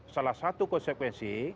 salah satu konsekuensi